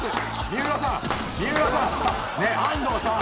三浦さん、安藤さん。